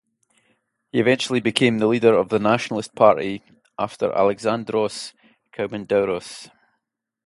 He eventually became the leader of the Nationalist Party after Alexandros Koumoundouros.